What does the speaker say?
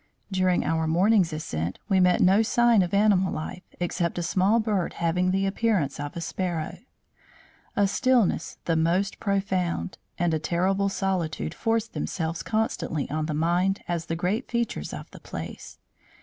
During our morning's ascent, we met no sign of animal life, except a small bird having the appearance of a sparrow. A stillness the most profound, and a terrible solitude forced themselves constantly on the mind as the great features of the place.